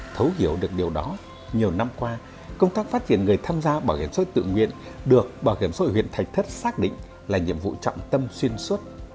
thấu hiểu được điều đó nhiều năm qua công tác phát triển người tham gia bảo hiểm sôi tự nguyện được bảo hiểm sôi huyện thạch thất xác định là nhiệm vụ trọng tâm xuyên suốt